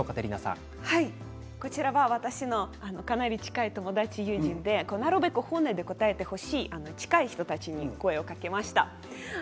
こちらは私のかなり近い友人でなるべく本音で答えてほしい近い人たちに声をかけました。